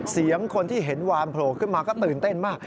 เสียงคนที่เห็นวานโผล่ขึ้นมาก็ตื่นเต้นมาก